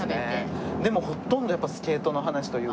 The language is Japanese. でもほとんどやっぱスケートの話というか。